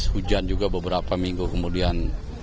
hujan juga beberapa minggu kemudian